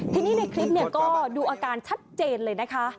ทีนี้ในคลิปก็ดูอาการชัดเจนเลยนะคะ